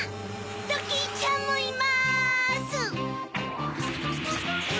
ドキンちゃんもいます！